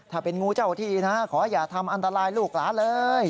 ถ้าเป็นงูเจ้าที่นะขออย่าทำอันตรายลูกหลานเลย